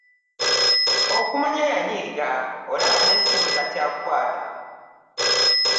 Okumanya yanyiiga, olaba n'essimu takyakwata!